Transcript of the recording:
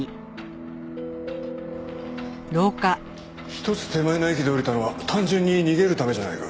１つ手前の駅で降りたのは単純に逃げるためじゃないか？